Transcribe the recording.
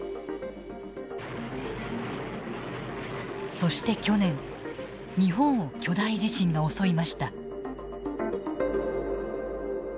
そして去年日本を巨大地震が襲いました。